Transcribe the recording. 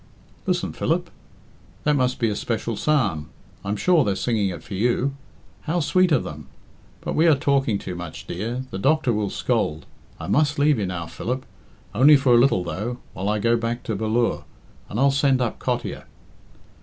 "Listen, Philip. That must be a special psalm. I'm sure they're singing it for you. How sweet of them! But we are talking too much, dear. The doctor will scold. I must leave you now, Philip. Only for a little, though, while I go back to Bal lure, and I'll send up Cottier."